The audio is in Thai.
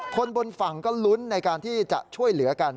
คนบนฝั่งก็ลุ้นในการที่จะช่วยเหลือกัน